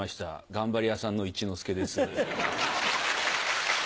頑張り屋さんの一之輔です。